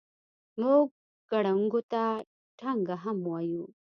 موږ ګړنګو ته ټنګه هم وایو.